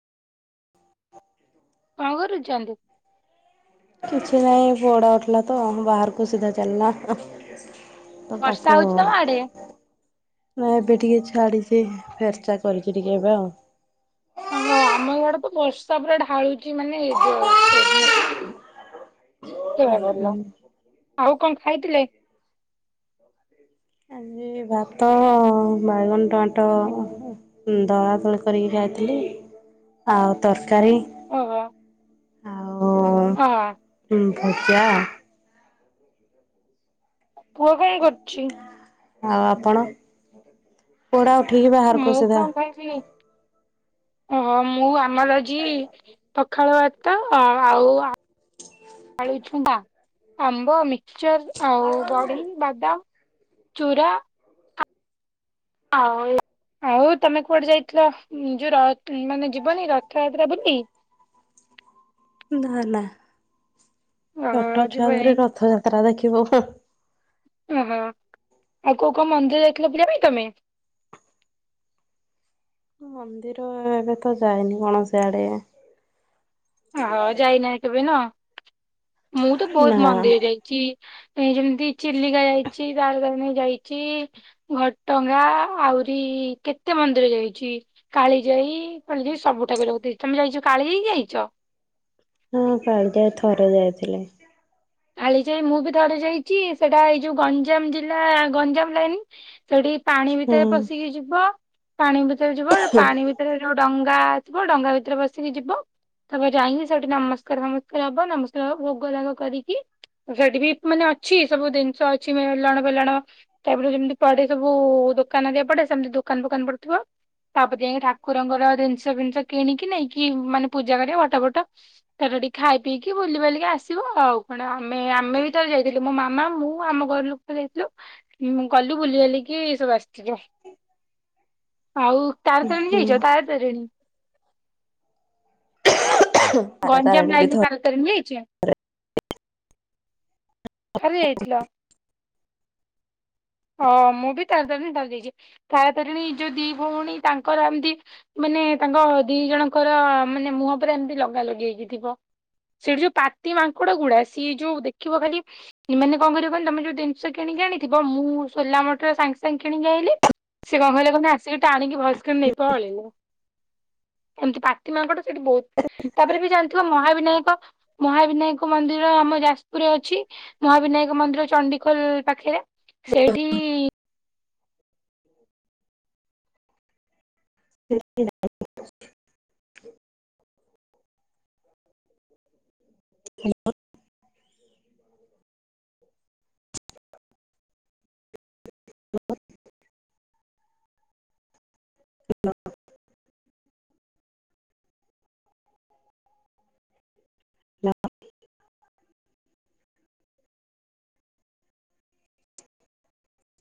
କଣ କରୁଚନ୍ତି? [inaudible] କିଛି ନାହିଁ ପୁଅଟା ଉଠିଲାତ ବାହାରକୁ ସିଧା ଚାଲିଲା ତ ବର୍ଷା ତାକୁ ହଉଛି ତମ ଆଡେ? ନା ଏବେ ଟିକେ ଛାଡିଚି ଫେର୍ଚା କରିଚି ଟିକେ ଏବେ ଆଉ ଓହୋ ଆମ ଇଆଡେ ତ ବର୍ଷା ପୁରା ଢାଳୁଛି ମାନେ ଜୋର୍ ସୋରରେ ଆଉ କେଡେ ଭଲ ଆଉ କଣ ଖାଇଥିଲେ? ଆଜି ଭାତ ବାଇଗଣ ଟମାଟ ଦଳା ଦଳି କରିକି ଖାଇଥିଲି ଆଉ ତରକାରୀ ଓହୋ ଆଉ ହଁ ହୁଁ ଭଜା ପୁଅ କଣ କରୁଛି? ଆଉ ଆପଣ? ପୁଅଟା ଉଠିକି ବା ମୁଁ କଣ ଖାଇଥିଲି [inaudible] ଓହୋ ମୁଁ ଆମର ଆଜି ପଖାଳ ଭାତ ଆଉ ଆଉ ଆ ଆଳୁ ଛୁଙ୍କା, ଆମ୍ବ, ମିକଚର ଆଉ ବଡ଼ି ବାଦାମ ଚୁରା ଆଉ ଏ ଆଉ ତମେ କୁଆଡେ ଯାଇଥିଲ ଯୋଉ ରଥ୍ ମାନେ ଯିବନି ରଥଯାତ୍ରା ବୁଲି? ନା ନା ଓହୋ ଛୋଟ ଛୁଆ ଯିବନି ଧରି ରଥଯାତ୍ରା ଦେଖିବ ହୁଁ। ଓ ହଁ ଆଉ କୋଉ କୋଉ ମନ୍ଦିର ଯାଇଥିଲ ପୂଜା ପାଇଁ ତମେ? ମନ୍ଦିର ଏବେ ତ ଯାଇନି କୌଣସି ଆଡେ। ହଁ ଯାଇନାଇ କେବେ ନା ମୁଁ ତ ବହୁତ ନା। ମନ୍ଦିର ଯାଇଚି ଏ ଯେମିତି ଚିଲିକା ଯାଇଚି ତାରା ତାରିଣୀ ଯାଇଚି। ଘଟଗାଁ ଆଉରି କେତେ ମନ୍ଦିର ଯାଇଚି କାଳିଯାଇ କାଳିଜାଇ ସବୁ ଠାକୁରା ତମେ ଯାଇଚ କାଳିଜାଇ ଯାଇଚ? ହୁଁ କାଳିଜାଇ ଥରେ ଯାଇଥିଲି। କାଳିଜାଇ ମୁଁ ବି ଥରେ ଯାଇଛି ସେଟା ଏଇ ଯୋଉ ଗଞ୍ଜାମ ଜିଲ୍ଲା ଗଞ୍ଜାମ ଲାଇନ୍ ସେଠି ପାଣି ହଁ ଭିତରେ ପଶିକି ଯିବ ପାଣି ଭିତରେ ଯିବ ହଁ। ପାଣି ଭି ରେ ଯୋଉ ଡଙ୍ଗା ଆସିବ ଡଙ୍ଗା ଭିତରେ ବସିକି ଯିବ। ତା ବ ଯାଇଙ୍କି ସେଠି ନମସ୍କାର ଫମସ୍କାର ହବ ନମସ୍କାର ଭୋଗ ରାଗ କରିକି କି ସେଠି ବି ମାନେ ଅଛି ସବୁ ଜିନିଷ ଅଛି ମେଲଣ ଫେଲଣ ତାପରେ ଯେମିତି ପଡେ ସବୁ ଦୋକାନ ହେରିକା ପଡେ ସେମିତି ଦୋକାନ ଫୋକାନ ପଡୁଥିବ। ତାପରେ ଯାଇକି ଠାକୁରଙ୍କର ଜିନିଷ ଫିନିଷ କିଣିକି ନେଇକି ମାନେ ପୂଜା କରିବ ଫଟ ବଟ ତାର ଟିକେ ଖାଇ ପିଇକି ବୁଲି ବାଲିକି ଆସିବ ଆଉ। ମାଣ ଆମେ ଆମେ ବି ତ ଯାଇଥିଲୁ ମୋ ମାମା ମୁଁ ଆମ ଘର ଲୋକ ତ ଯାଇଥିଲୁ। ମୁଁ ଗଲି ବୁଲି ବାଲିକି ଏ ସବୁ ଆସିଥିବ। ଆଉ ତାରାତାରିଣୀ ଯାଇଚ ତାରାତାରିଣୀ? [unintelligible] ଗଞ୍ଜାମ ତାରିଣୀ ବି ଲାଇନ୍ ରେ ଥରେ ତାରା ତାରିଣୀ ବି ଯାଇଛ ଥରେ ଯାଇଥିଲ। ଅ ମୁଁ ବି ତାରାତାରିଣୀ ଥରେ ଯାଇଚି ତାରାତାରିଣୀ ଯୋଉ ଦି ଭଉଣୀ ତାଙ୍କର ଏମତି ମାନେ ତାଙ୍କ ଦି ଜଣଙ୍କର ମାନେ ମୁହଁ ପୁରେ ଏମିତି ଲଗା ଲଗି ହେଇକି ଥିବ। ସେଠି ଯୋଉ ପାତି ମାଙ୍କଡ ଗୁଡା ସିଏ ଯୋଉ ଦେଖିବ ଖାଲି ଏମାନେ କଣ କରିବେ କହିଲ ତମେ ଯୋଉ ଜିନିଷ କିଣିକି ଆଣିଥିବ ମୁଁ ସୋଲା ମଟର ସାଙ୍ଗେ ସାଙ୍ଗେ କିଣିକି ଆଣିଲି ସେ କଣ କଇଲ ନା ଆସିକି ଟାଣିକି ଭୟସ୍କ କି ନେଇ ପଳେଇବ ଏମତି ପା ତି ମାଙ୍କଡ ସେଇଠି ବହୁତ ତାପରେ ବି ଜାଣିଥିବ ମହାବିନାୟକ ମହାବିନାୟକ ମନ୍ଦିର ଆମ ଯାଜପୁରରେ ଅଛି। ମହାବିନାୟକ ମନ୍ଦିର ଚଣ୍ଡିଖୋଲ୍ ପାଖେରେ। ସେଇଠି-ଇ [inaudible] [inaudible] [inaudible] [inaudible] ଲ ଅ।